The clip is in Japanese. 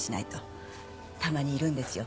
たまにいるんですよ。